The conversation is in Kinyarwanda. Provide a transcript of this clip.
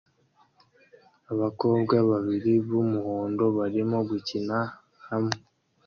Abakobwa babiri b'umuhondo barimo gukina hamwe